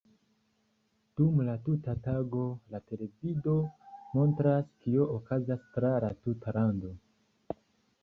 Dum la tuta tago la televido montras, kio okazas tra la tuta lando.